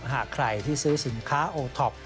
หากใครที่ซื้อสินค้าโอท็อป